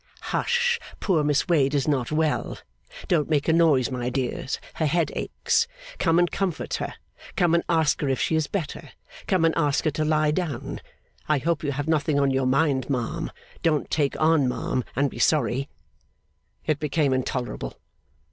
'Hush! Poor Miss Wade is not well. Don't make a noise, my dears, her head aches. Come and comfort her. Come and ask her if she is better; come and ask her to lie down. I hope you have nothing on your mind, ma'am. Don't take on, ma'am, and be sorry!' It became intolerable.